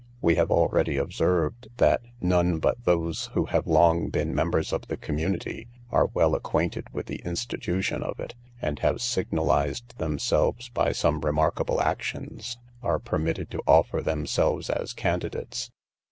We have already observed, that none but those who have long been members of the community, are well acquainted with the institution of it, and have signalized themselves by some remarkable actions, are permitted to offer themselves as candidates.